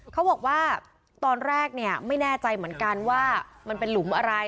เขาบอกว่าตอนแรกเนี่ยไม่แน่ใจเหมือนกันว่ามันเป็นหลุมอะไร